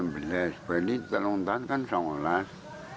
barisan umur enam belas kan sangat kelas